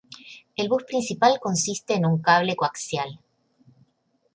El bus principal consiste en un cable coaxial.